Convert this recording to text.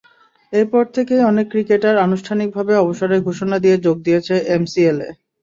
এরপর থেকেই অনেক ক্রিকেটার আনুষ্ঠানিকভাবে অবসরের ঘোষণা দিয়ে যোগ দিয়েছেন এমসিএলে।